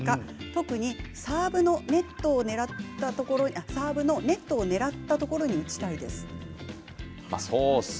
特にサーブをネットの狙ったところに打ちたいです。